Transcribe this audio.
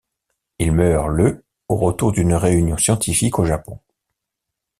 Il meurt le au retour d'une réunion scientifique au Japon.